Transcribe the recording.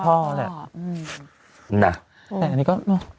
แต่อันนี้ก็